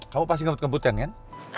kamu pasti ngobot kebuten kan